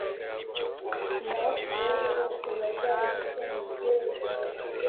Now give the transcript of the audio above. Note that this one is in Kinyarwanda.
Naho Siyoni bose bazayite ’Mubyeyi’